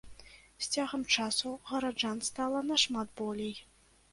З цягам часу гараджан стала нашмат болей.